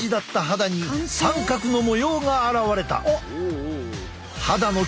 肌に三角の模様が現れた。